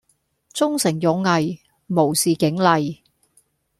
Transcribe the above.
忠誠勇毅無視警例